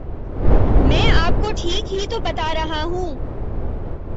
میں آپ کو ٹھیک ہی تو بتارہا ہوں